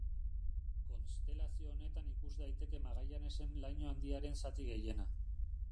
Konstelazio honetan ikus daiteke Magallanesen Laino Handiaren zati gehiena.